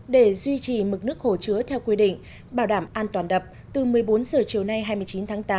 để duy trì mực nước hồ chứa theo quy định bảo đảm an toàn đập từ một mươi bốn h chiều nay hai mươi chín tháng tám